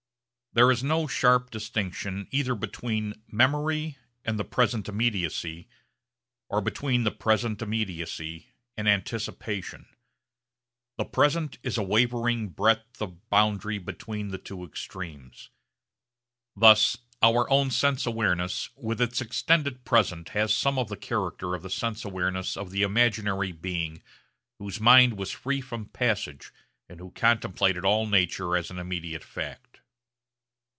There is no sharp distinction either between memory and the present immediacy or between the present immediacy and anticipation. The present is a wavering breadth of boundary between the two extremes. Thus our own sense awareness with its extended present has some of the character of the sense awareness of the imaginary being whose mind was free from passage and who contemplated all nature as an immediate fact.